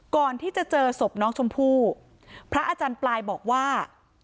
ก่อนที่จะเจอศพน้องชมพู่พระอาจารย์ปลายบอกว่า